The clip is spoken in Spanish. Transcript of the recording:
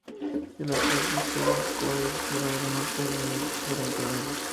El Atlas de Estrellas cubre el cielo del norte y del sur enteros.